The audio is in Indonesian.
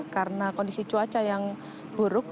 karena kondisi cuaca yang buruk